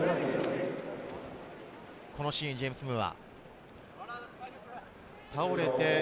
このシーン、ジェームス・ムーア。